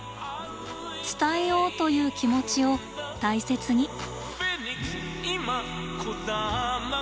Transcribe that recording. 「伝えよう」という気持ちを大切に！